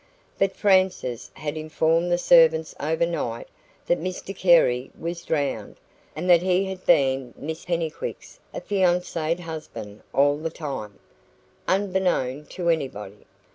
But Frances had informed the servants overnight that Mr Carey was drowned, and that he had been Miss Pennycuick's affianced husband all the time, unbeknown to anybody.